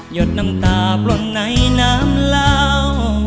หยดน้ำตาปล่นในน้ำเหล้า